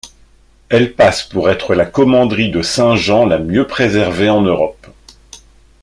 Elle passe pour être la commanderie de Saint-Jean la mieux préservée en Europe.